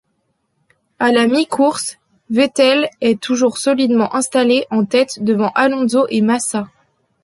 À la mi-course, Vettel est toujours solidement installé en tête devant Alonso et Massa.